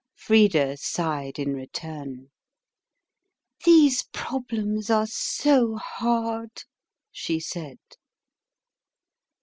Frida sighed in return. "These problems are so hard," she said.